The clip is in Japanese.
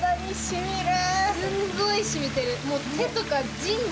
すんごいしみてる。